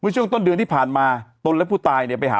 เมื่อช่วงต้นเดือนที่ผ่านมาจนแล้วผู้ตายเนี่ย